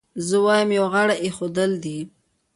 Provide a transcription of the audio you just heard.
زه وایم یو غاړه کېښودل دي.